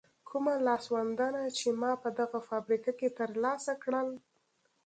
کوم لاسوندونه چې ما په دغه فابریکه کې تر لاسه کړل.